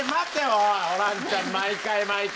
おいホランちゃん毎回毎回。